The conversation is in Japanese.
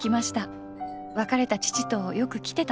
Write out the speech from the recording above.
別れた父とよく来てたと。